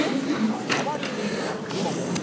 まわりにいるみももやころ